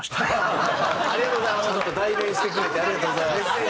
ちゃんと代弁してくれてありがとうございます。